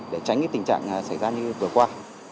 để tránh tình trạng xảy ra như vừa qua